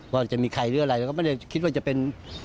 ว่าจะมีใครหรืออะไรแล้วก็ไม่ได้คิดว่าจะเป็น